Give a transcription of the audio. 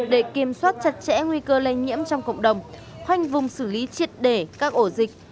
để kiểm soát chặt chẽ nguy cơ lây nhiễm trong cộng đồng khoanh vùng xử lý triệt để các ổ dịch